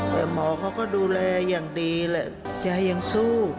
แต่หมอเขาก็ดูแลอย่างดีแหละใจยังสู้